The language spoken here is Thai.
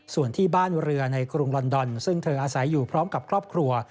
ส่วนที่บ้านเรือในกรุงลอนดอนซึ่งเธออาศัยอยู่พร้อมกับครอบครัว